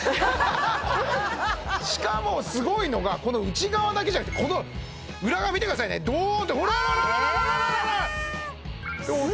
しかもすごいのがこの内側だけじゃなくてこの裏側見てくださいねどうほらほらほら・え！